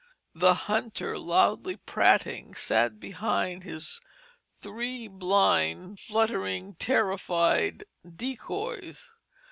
The hunter, loudly prating, sat hidden behind his three blind, fluttering, terrified decoys.